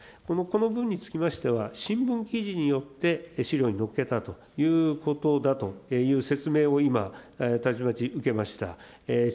この分につきましては、新聞記事によって資料にのっけたということだという説明を今、受けました。